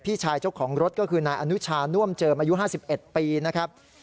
พี่ชายเจ้าของรถก็คือนายอนุชาน่วมเจิมอายุ๕๑ปีนะครับ